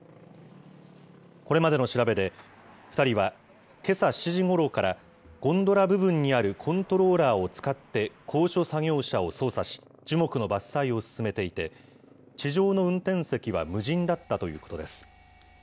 これまでの調べで、２人はけさ７時ごろからゴンドラ部分にあるコントローラーを使って、高所作業車を操作し、樹木の伐採を進めていて、地上の運転席は無人だったということです。